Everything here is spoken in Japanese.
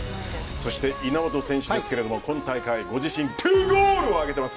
そして稲本選手ですが今大会ご自身２ゴールを挙げています。